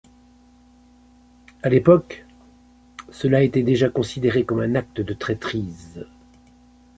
À l'époque, cela était déjà considéré comme un acte de traîtrise.